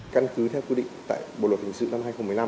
căn cứ theo quy định tại bộ luật hình sự năm hai nghìn một mươi năm